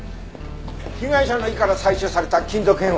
被害者の胃から採取された金属片は？